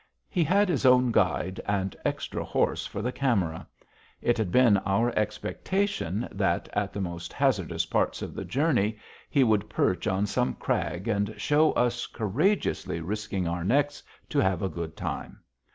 He had his own guide and extra horse for the camera. It had been our expectation that, at the most hazardous parts of the journey, he would perch on some crag and show us courageously risking our necks to have a good time.